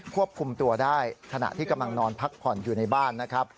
ควบคุมตัวได้ขณะที่กำลังนอนพักผ่อนอยู่ในบ้านนะครับ